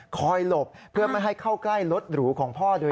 หลบเพื่อไม่ให้เข้าใกล้รถหรูของพ่อโดย